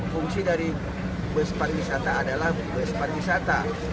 fungsi dari bus pariwisata adalah bus pariwisata